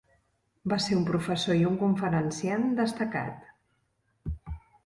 Va ser un professor i un conferenciant destacat.